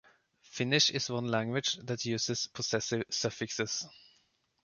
Finnish is one language that uses possessive suffixes.